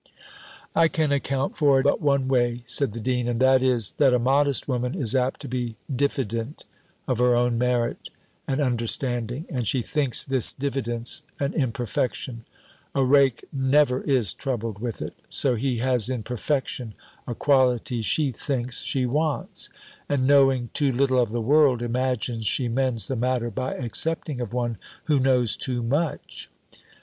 "I can account for it but one way," said the dean: "and that is, that a modest woman is apt to be diffident of her own merit and understanding and she thinks this diffidence an imperfection. A rake never is troubled with it: so he has in perfection a quality she thinks she wants; and, knowing too little of the world, imagines she mends the matter by accepting of one who knows too much."